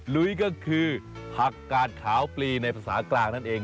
ลุยก็คือผักกาดขาวปลีในภาษากลางนั่นเอง